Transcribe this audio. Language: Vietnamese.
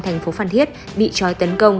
thành phố phan thiết bị trói tấn công